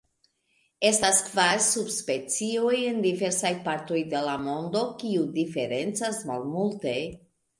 Estas kvar subspecioj en diversaj partoj de la mondo, kiu diferencas malmulte.